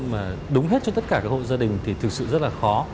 mà đúng hết cho tất cả các hộ gia đình thì thực sự rất là khó